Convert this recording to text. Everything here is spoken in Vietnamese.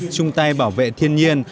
chung tay bảo vệ thiên nhiên